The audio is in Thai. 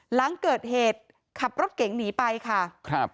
หลังเกิดเหตุขับรถเก๋งหนีไปค่ะครับ